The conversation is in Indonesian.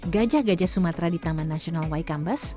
gajah gajah sumatera di taman nasional waikambas